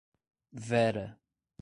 Vera